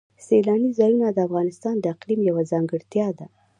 سیلاني ځایونه د افغانستان د اقلیم یوه ځانګړتیا ده.